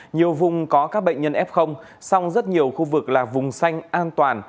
nhiều vùng có các bệnh nhân f song rất nhiều khu vực là vùng xanh an toàn